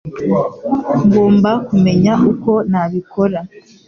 Ngomba kumenya uko nabikora